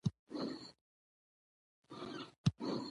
په دې يونليک کې ليکوال د هغه زندان په اړه معلومات ور کړي